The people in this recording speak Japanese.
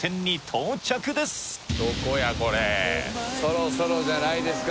これそろそろじゃないですか？